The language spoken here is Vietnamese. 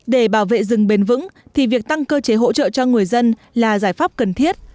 để bảo vệ rừng bền vững thì việc tăng cơ chế hỗ trợ cho người dân là giải pháp cần thiết